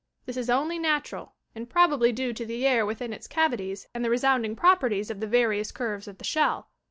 This is only natural and prob ably due to the air within its cavities and the resound ing properties of the various curves of the shell.